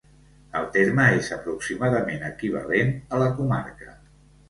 El terme és aproximadament equivalent a la comarca.